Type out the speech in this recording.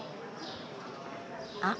あっ